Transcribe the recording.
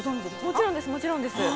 もちろんですもちろんです。